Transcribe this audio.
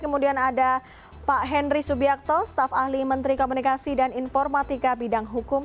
kemudian ada pak henry subiakto staf ahli menteri komunikasi dan informatika bidang hukum